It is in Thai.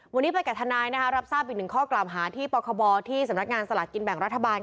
วันนี้ไปกับทนายนะคะรับทราบอีกหนึ่งข้อกล่าวหาที่ปคบที่สำนักงานสลากกินแบ่งรัฐบาล